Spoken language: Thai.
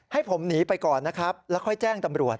ให้ผมหนีไปก่อนนะครับแล้วค่อยแจ้งตำรวจ